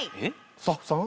スタッフさん？